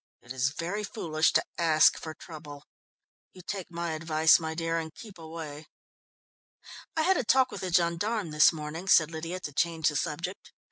"It is very foolish to ask for trouble. You take my advice, my dear, and keep away." "I had a talk with a gendarme this morning," said Lydia to change the subject.